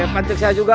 pancek saya juga